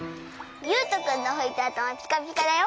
ゆうとくんのふいたあともピカピカだよ！